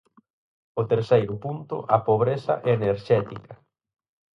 O terceiro punto, a pobreza enerxética.